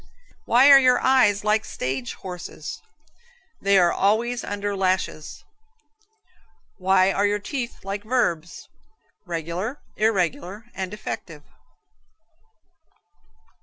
Why are your eyes like stage horses? They are always under lashes. Why are your teeth like verbs? Regular, irregular and defective?